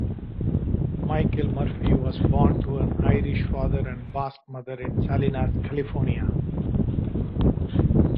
Michael Murphy was born to an Irish father and Basque mother in Salinas, California.